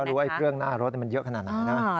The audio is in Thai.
ว่าเครื่องหน้ารถมันเยอะขนาดไหนนะ